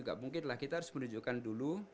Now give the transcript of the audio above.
gak mungkin lah kita harus menunjukkan dulu